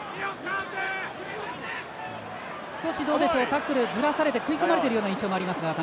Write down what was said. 少しタックルをずらされて食い込まれているような印象もありますが。